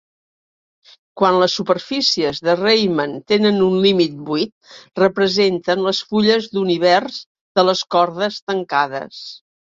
Quan les superfícies de Riemann tenen un límit buit, representen les fulles d'univers de les cordes tancades.